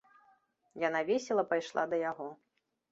Яна весела пайшла да яго.